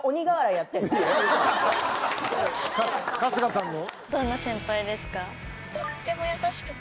春日さんの？